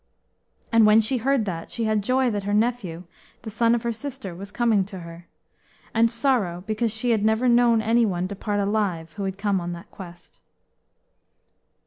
And when she heard that, she had joy that her nephew, the son of her sister, was coming to her, and sorrow, because she had never known any one depart alive who had come on that quest.